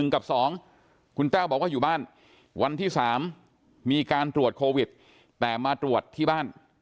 ๑กับ๒บอกว่าวันที่๓มีการตรวจโควิดแต่มาตรวจที่บ้าน